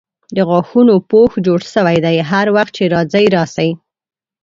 د غاښونو پوښ جوړ سوی دی هر وخت چې راځئ راسئ.